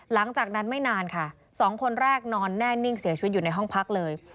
หลังจากนั้นไม่นานค่ะสองคนแรกนอนแน่นิ่งเสียชีวิตอยู่ในห้องพักเลย